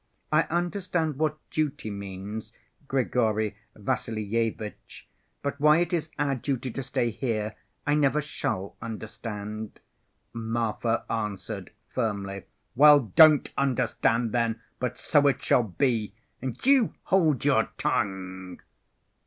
"I understand what duty means, Grigory Vassilyevitch, but why it's our duty to stay here I never shall understand," Marfa answered firmly. "Well, don't understand then. But so it shall be. And you hold your tongue."